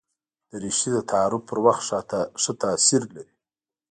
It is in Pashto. دریشي د تعارف پر وخت ښه تاثیر لري.